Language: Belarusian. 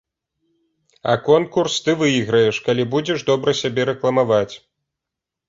А конкурс ты выйграеш, калі будзеш добра сябе рэкламаваць.